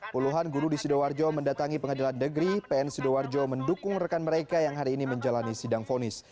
puluhan guru di sidoarjo mendatangi pengadilan negeri pn sidoarjo mendukung rekan mereka yang hari ini menjalani sidang fonis